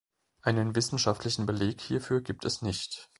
Einen wissenschaftlichen Beleg hierfür gibt es nicht.